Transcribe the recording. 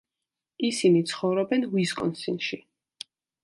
ისინი ცხოვრობენ უისკონსინში.